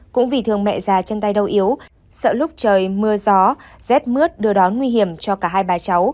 cũng vì thường mẹ già chân tay đau yếu sợ lúc trời mưa gió rét mướt đưa đón nguy hiểm cho cả hai bà cháu